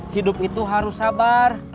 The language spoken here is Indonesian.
hidup itu harus sabar